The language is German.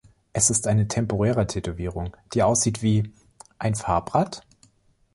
Es ist eine temporäre Tätowierung, die aussieht wie ... ein Farbrad?